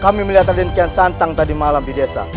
kami melihat raden kian santang tadi malam di desa